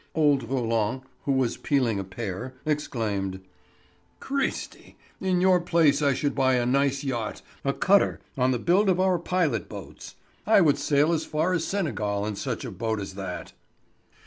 Old Roland, who was peeling a pear, exclaimed: "Christi! In your place I should buy a nice yacht, a cutter on the build of our pilot boats. I would sail as far as Senegal in such a boat as that."